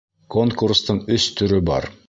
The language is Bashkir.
Конкурстың өс төрө бар.